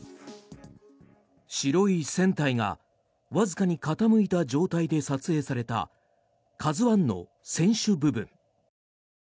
白い船体がわずかに傾いた状態で撮影された「ＫＡＺＵ１」の船首部分。